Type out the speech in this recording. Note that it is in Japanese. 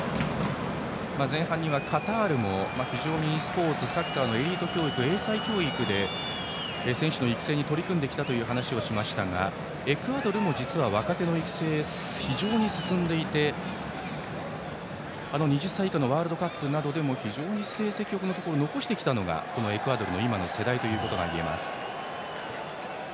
前半にはカタールも非常にスポーツサッカーのエリート教育英才教育で選手の育成に取り組んできたという話をしましたが、エクアドルも実は若手の育成が非常に進んでいて２０歳以下のワールドカップなどでもこのところ非常に成績を残してきたのがエクアドルの今の世代ということが言えます。